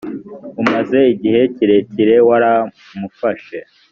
umaze igihe kirekire waramufashe